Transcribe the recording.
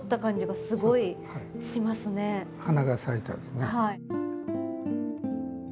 花が咲いたようですね。